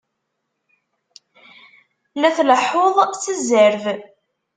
La tleḥḥuḍ s zzerb!